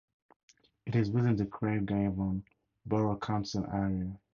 It is within the Craigavon Borough Council area.